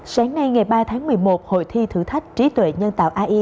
sáng nay ngày ba tháng một mươi một hội thi thử thách trí tuệ nhân tạo ai